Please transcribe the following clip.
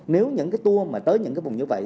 nếu những cái tour mà tới những cái vùng như vậy